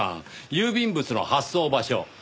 郵便物の発送場所。